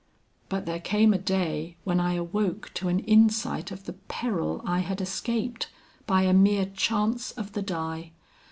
But there came a day when I awoke to an insight of the peril I had escaped by a mere chance of the die.